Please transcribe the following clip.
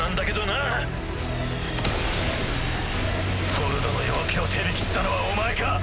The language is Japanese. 「フォルドの夜明け」を手引きしたのはお前か？